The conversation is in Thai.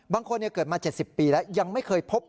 เกิดมา๗๐ปีแล้วยังไม่เคยพบ